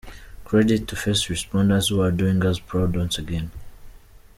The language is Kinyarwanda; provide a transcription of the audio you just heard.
Credit to first responders who are doing us proud once again.